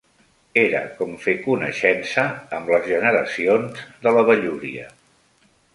Era com fer coneixença amb les generacions de la vellúria